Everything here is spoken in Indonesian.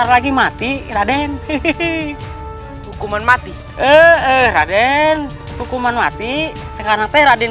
kita akan pulang ke pejajaran